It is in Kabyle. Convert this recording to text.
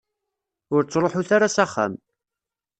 Ur ttruḥut ara s axxam.